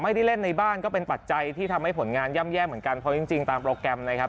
เล่นในบ้านก็เป็นปัจจัยที่ทำให้ผลงานย่ำแย่เหมือนกันเพราะจริงตามโปรแกรมนะครับ